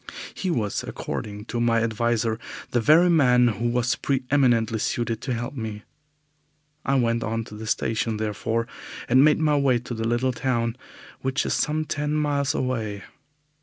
He was, according to my adviser, the very man who was pre eminently suited to help me. I went on to the station, therefore, and made my way to the little town, which is some ten miles away.